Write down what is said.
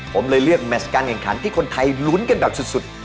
ผมเลยเลือกแมชการแข่งขันที่คนไทยลุ้นกันแบบสุด